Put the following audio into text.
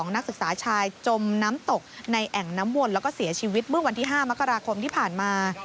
นักศึกษาชายจมน้ำตกในแอ่งน้ำวนแล้วก็เสียชีวิตเมื่อวันที่๕มกราคมที่ผ่านมา